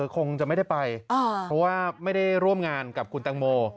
คงจะไม่ได้ไปเพราะว่าไม่ได้ร่วมงานกับคุณตังโม